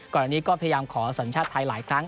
ก่อนอันนี้ก็พยายามขอสัญชาติไทยหลายครั้ง